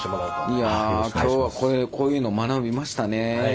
いや今日はこれこういうのを学びましたね。